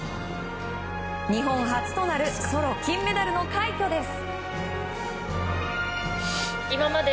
日本初となるソロ金メダルの快挙です。